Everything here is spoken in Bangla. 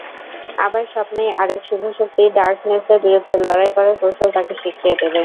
আবার স্বপ্নেই আরেক শুভশক্তি ডার্কনেসের বিরুদ্ধে লড়াই করার কৌশল তাঁকে শিখিয়ে দেবে।